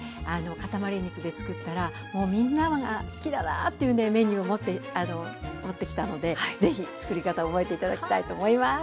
かたまり肉で作ったらもうみんなが好きだなって言うメニューを持ってきたのでぜひ作り方を覚えて頂きたいと思います。